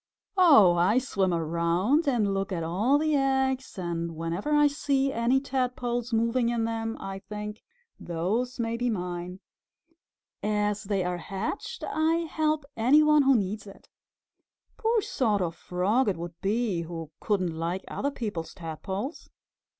"Oh, I swim around and look at all the eggs, and whenever I see any Tadpoles moving in them I think, 'Those may be mine!' As they are hatched I help any one who needs it. Poor sort of Frog it would be who couldn't like other people's Tadpoles!"